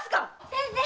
先生！